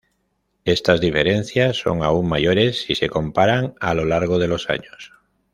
Estas diferencias son aún mayores si se comparan a lo largo de los años.